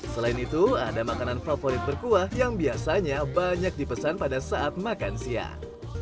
selain itu ada makanan favorit berkuah yang biasanya banyak dipesan pada saat makan siang